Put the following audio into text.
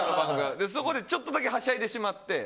そこでちょっとだけはしゃいでしまって。